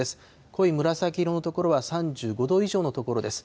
濃い紫色の所は３５度以上の所です。